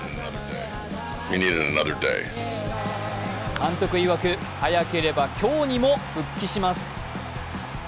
監督いわく、早ければ今日にも復帰します。